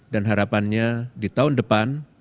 dan harapannya di tahun depan